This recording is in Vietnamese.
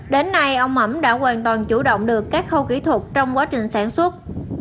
đến nay ông mẩm đã hoàn toàn chủ động được các khâu kỹ thuật trong quá trình sản xuất